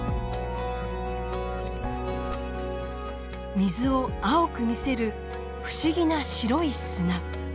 水を青く見せる不思議な白い砂。